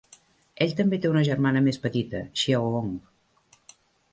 Ell també té una germana més petita, Xiaohong.